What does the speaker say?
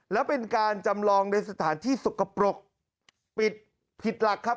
แล้วเป็นการจำลองในสถานที่สกปรกปิดผิดหลักครับ